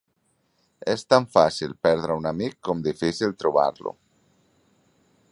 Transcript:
Es tan fàcil perdre a un amic com difícil trobar-lo.